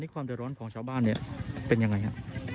ความเดือดร้อนของชาวบ้านเนี่ยเป็นยังไงครับ